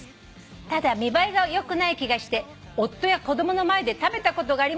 「ただ見栄えがよくない気がして夫や子供の前で食べたことがありません」